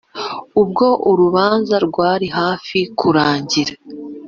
ubwo urubanza rwari hafi kurangira,